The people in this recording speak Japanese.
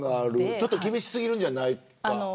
ちょっと厳しすぎるんじゃないか。